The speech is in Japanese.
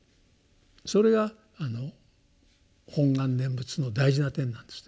それが本願念仏の大事な点なんです。